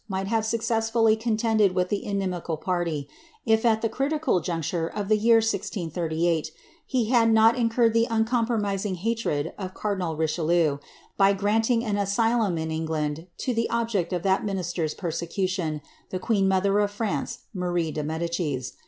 might have successfully coDtended with the inimical party, if, at the critical juncture of the year 1(188, he hail not incurred the uncompromising hatred of cardinal Richelieu, by grant ing an asylum in England to the object of that minisier^s persecution, the queen mother of France, Marie de Medicis.